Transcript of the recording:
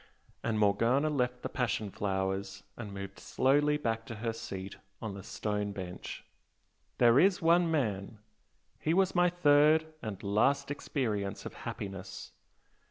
And Morgana left the passion flowers and moved slowly back to her seat on the stone bench "There is one man! He was my third and last experience of happiness.